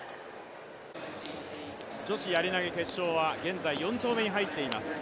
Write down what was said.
女子やり投決勝は現在４投目に入っています。